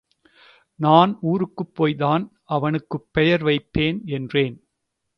நான் ஊருக்குப் போய்தான் அவனுக்குப் பெயர் வைப்பேன் என்றேன்.